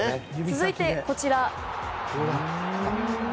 続いて、こちら。